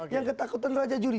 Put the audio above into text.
yang ketakutan raja juli